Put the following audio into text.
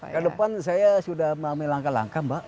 ke depan saya sudah melakukan langkah langkah mbak